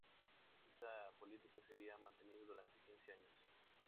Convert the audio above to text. Esa política sería mantenida durante quince años.